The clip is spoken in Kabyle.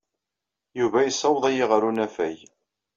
Yuba yessaweḍ-iyi ɣer unafag.